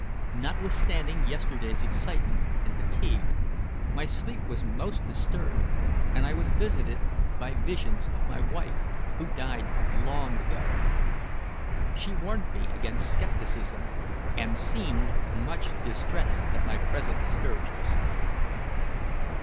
Notwithstanding yesterday's excitement and fatigue, my sleep was most disturbed, and I was visited by visions of my wife, who died long ago. She warned me against skepticism, and seemed much distressed at my present spiritual state."